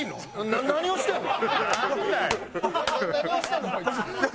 何をしてんの？